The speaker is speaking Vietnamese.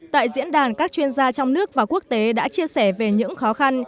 tại diễn đàn các chuyên gia trong nước và quốc tế đã chia sẻ về những khó khăn